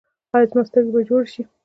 ایا زما سترګې به جوړې شي؟